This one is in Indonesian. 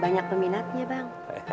banyak peminatnya bang